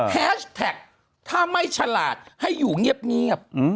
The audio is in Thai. แฮชแท็กถ้าไม่ฉลาดให้อยู่เงียบ